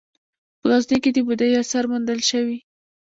په غزني کې د بودايي اثار موندل شوي